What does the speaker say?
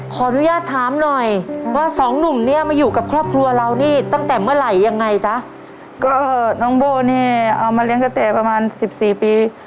ขออนุญาตถามหน่อยว่าสองหนุ่มเนี้ยมาอยู่กับครอบครัวเรานี่ตั้งแต่เมื่อไหร่ยังไงจ๊ะก็น้องโบ้เนี่ยเอามาเลี้ยงกระแต่ประมาณสิบสี่ปี